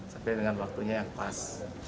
sampai dengan waktunya yang pas